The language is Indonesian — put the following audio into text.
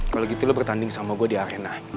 kalau gitu lo bertanding sama gue di arena